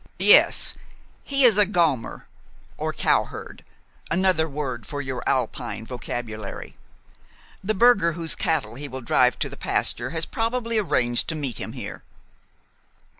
"Yes. He is a gaumer, or cowherd, another word for your Alpine vocabulary, the burgher whose cattle he will drive to the pasture has probably arranged to meet him here."